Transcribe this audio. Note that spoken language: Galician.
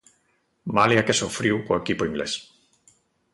Malia que sufriu co equipo inglés.